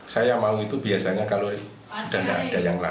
saya mau itu biasanya kalau sudah tidak ada yang lain